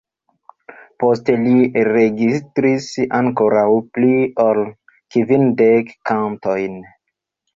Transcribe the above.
Poste li registris ankoraŭ pli ol kvindek kantojn.